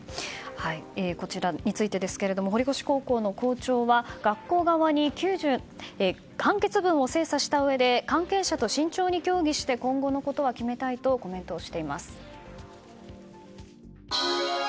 こちらについて堀越高校の校長は判決文を精査したうえで関係者と慎重に協議して今後のことは決めたいとコメントをしています。